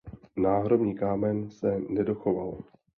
Náhrobní kámen se nedochoval.